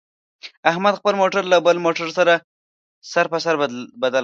احمد خپل موټر له بل موټر سره سر په سر بدل کړ.